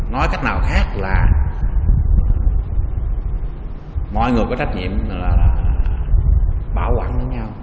nói cách nào khác là mọi người có trách nhiệm là bảo quản với nhau